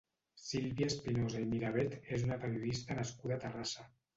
Sílvia Espinosa i Mirabet és una periodista nascuda a Terrassa.